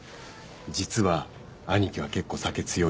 実は兄貴は結構酒強いよ。